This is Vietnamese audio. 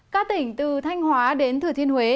các tỉnh từ thanh hóa đến thừa thiên huế